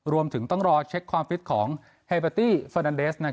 รวมถึงต้องรอเช็คความฟิตของเฮเบอร์ตี้เฟอร์นันเดส